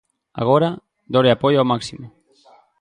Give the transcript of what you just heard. Agora, dor e apoio ao máximo.